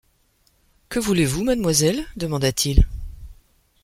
Que voulez-vous, mademoiselle ? demanda-t-il.